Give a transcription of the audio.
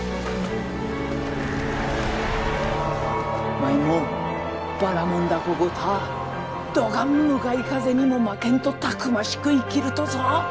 舞もばらもん凧ごたぁどがん向かい風にも負けんとたくましく生きるとぞ。